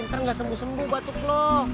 ntar gak sembuh sembuh batuk lo